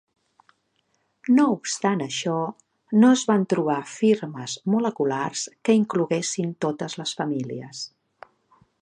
No obstant això, no es van trobar firmes moleculars que incloguessin totes les famílies.